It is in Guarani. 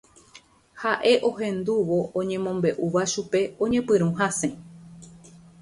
Ha'e ohendúvo oñemombe'úva chupe oñepyrũ hasẽ.